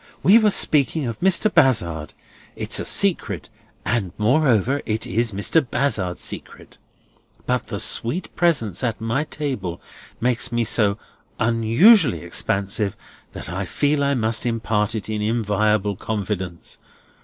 We were speaking of Mr. Bazzard. It's a secret, and moreover it is Mr. Bazzard's secret; but the sweet presence at my table makes me so unusually expansive, that I feel I must impart it in inviolable confidence.